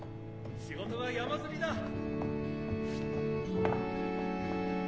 仕事が山積みだ。